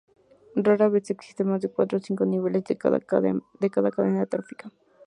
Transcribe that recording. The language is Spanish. Rara vez existen más de cuatro o cinco niveles en una cadena trófica.